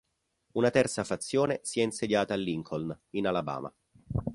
Una terza fazione si è insediata a Lincoln in Alabama.